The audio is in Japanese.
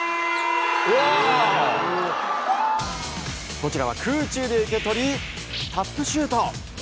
こちらは空中で受け取りタップシュート！